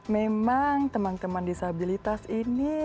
memang teman teman disabilitas ini